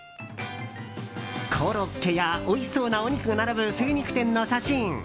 コロッケやおいしそうなお肉が並ぶ精肉店の写真。